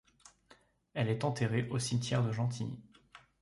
Elle est enterrée au cimetière de Gentilly.